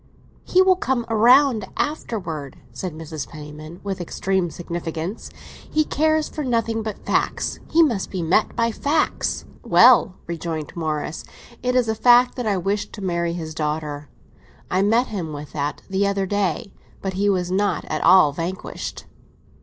"He will come round afterwards," said Mrs. Penniman, with extreme significance. "He cares for nothing but facts; he must be met by facts!" "Well," rejoined Morris, "it is a fact that I wish to marry his daughter. I met him with that the other day, but he was not at all vanquished."